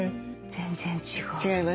全然違う。